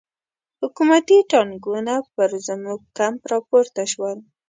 حکومتي ټانګونه پر زموږ کمپ را پورته شول.